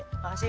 terima kasih bu